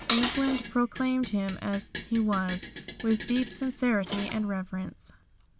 England proclaimed him as he was, with deep sincerity and reverence.